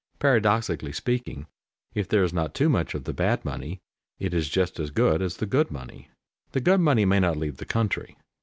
Paradoxically speaking, if there is not too much of the bad money, it is just as good as the good money. The good money may not leave the country.